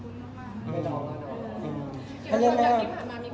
แต่เขาว่าทำไมถึงเป็นแบบนี้นะ